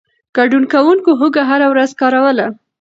ګډون کوونکو هوږه هره ورځ کاروله.